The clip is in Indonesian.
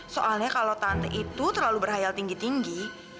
soalnya kalau tante itu terlalu berhayal tinggi tinggi